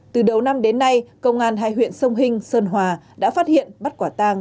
từ đầu năm đến nay công an hải huyện sông hinh sơn hòa đã phát hiện bắt quả tàng